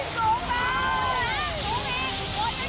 สูงแล้วสูงอีกสูงค่ะ